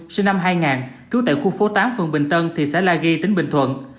sinh năm hai nghìn trú tại khu phố tám phường bình tân thị xã la ghi tỉnh bình thuận